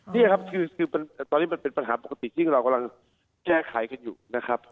นี่ครับคือตอนนี้มันเป็นปัญหาปกติที่เรากำลังแก้ไขกันอยู่นะครับ